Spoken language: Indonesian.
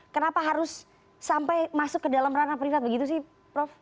kenapa harus sampai masuk ke dalam ranah privat begitu sih prof